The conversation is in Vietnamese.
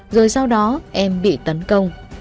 rồi sau đó em bị tấn công